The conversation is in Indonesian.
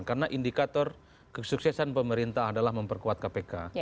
karena indikator kesuksesan pemerintah adalah memperkuat kpk